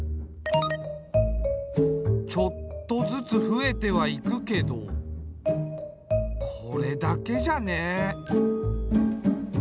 ちょっとずつ増えてはいくけどこれだけじゃね。